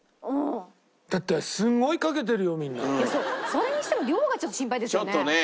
それにしても量がちょっと心配でしたね。